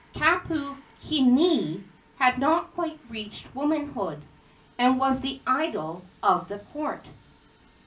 Kapukini had not quite reached womanhood, and was the idol of the court.